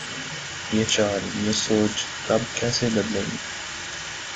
یہ چال، یہ سوچ کب‘ کیسے بدلے گی؟